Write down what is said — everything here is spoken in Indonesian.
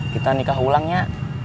kita nikah ulang ya